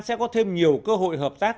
sẽ có thêm nhiều cơ hội hợp tác